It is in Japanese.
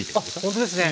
ほんとですね。